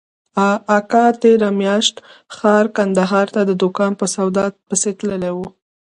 اکا تېره مياشت ښار کندهار ته د دوکان په سودا پسې تللى و.